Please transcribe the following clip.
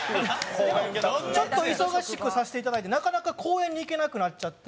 ちょっと忙しくさせていただいてなかなか公園に行けなくなっちゃって。